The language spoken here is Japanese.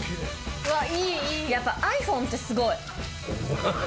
いいいいやっぱｉＰｈｏｎｅってすごい。